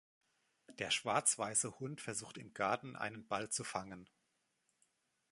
Der schwarz-weiße Hund versucht im Garten, einen Ball zu fangen.